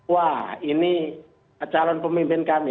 wah ini calon pemimpin kami